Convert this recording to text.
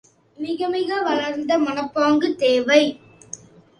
மிகமிக வளர்ந்த மனப்பாங்கு தேவை.